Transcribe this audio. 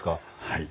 はい。